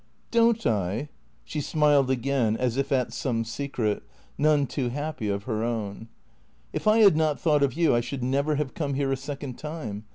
Don't I ?" She smiled again, as if at some secret, none too happy, of her own. " If I had not thought of you I should never have come here a second time.